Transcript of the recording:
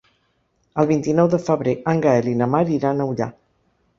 El vint-i-nou de febrer en Gaël i na Mar iran a Ullà.